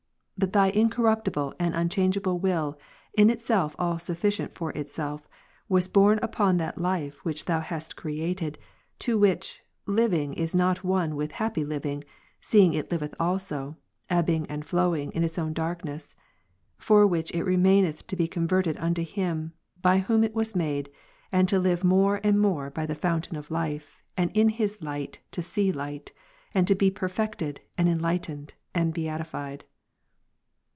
But Thy incorruptible and unchangeable will, in itself all ^^• sufficient for itself, ivas borne upon that life which Thou hadst created; to which, living is not one with happy living, seeing it liveth also, ebbing and flowing in its own darkness : for which it remaineth to be converted unto Him, by Whom it was made, and to live more and more by the fountain of Vs. 36, 9. life, and in His light to see light, and to be perfected, and en lightened, and beatified.